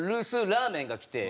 ラーメンがきて。